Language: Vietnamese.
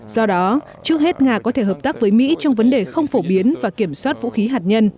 do đó trước hết nga có thể hợp tác với mỹ trong vấn đề không phổ biến và kiểm soát vũ khí hạt nhân